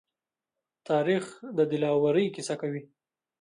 تاریخ د دلاورۍ قصه کوي.